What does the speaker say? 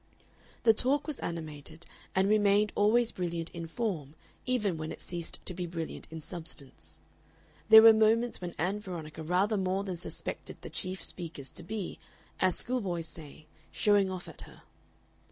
The talk was animated, and remained always brilliant in form even when it ceased to be brilliant in substance. There were moments when Ann Veronica rather more than suspected the chief speakers to be, as school boys say, showing off at her.